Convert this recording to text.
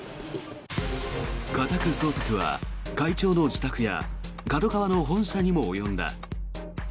家宅捜索は会長の自宅やＫＡＤＯＫＡＷＡの本社にも及んだ。